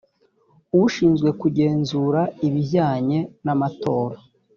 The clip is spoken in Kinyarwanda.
ishinzwe kugenzura ibijyanye n amatora